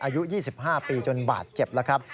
อายุ๒๕ปีจนบาดเจ็บแล้วครับ